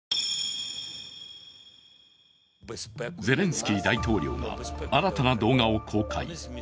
ゼレンスキー大統領は新たな動画を公開。